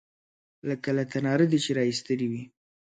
_لکه له تناره چې دې را ايستلې وي.